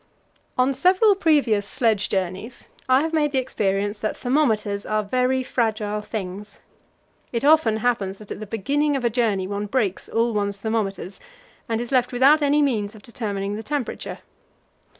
On several previous sledge journeys I had made the experience that thermometers are very fragile things. It often happens that at the beginning of a journey one breaks all one's thermometers, and is left without any means of determining the temperature.